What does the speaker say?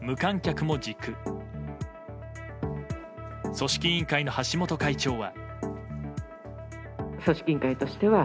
組織委員会の橋本会長は。